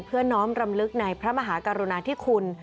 เพื่อน้องปรำลึกในพระมหากรุณาที่คุณ